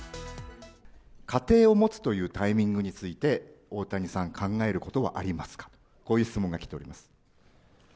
家庭を持つというタイミングについて、大谷さん、考えることはありますか、こういう質問が来ております。